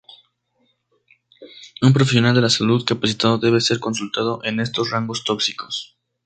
Un profesional de la salud capacitado debe ser consultado en estos rangos tóxicos.